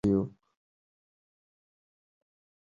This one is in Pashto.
غازي ایوب خان له نورو سره یو ځای سوی دی.